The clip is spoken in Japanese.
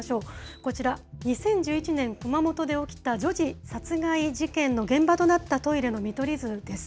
こちら、２０１１年、熊本で起きた女児殺害事件の現場となったトイレの見取り図です。